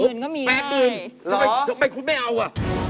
๘หมื่นเพราะไม่คุณไม่เอาอะ